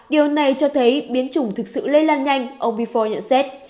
điều này cho thấy biến chủng thực sự lây lan nhanh ông bifo nhận xét